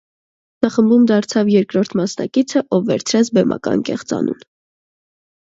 Նա խմբում դարձավ երկրորդ մասնակիցը, ով վերցրեց բեմական կեղծանուն։